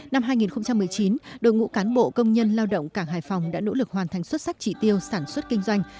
năm hai nghìn một mươi chín đội ngũ cán bộ công nhân lao động cảng hải phòng đã nỗ lực hoàn thành xuất sắc trị tiêu sản xuất kinh doanh